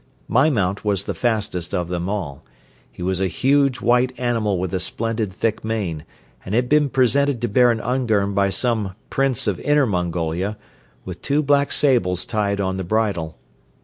My mount was the fastest of them all. He was a huge white animal with a splendid thick mane and had been presented to Baron Ungern by some Prince of Inner Mongolia with two black sables tied on the bridle.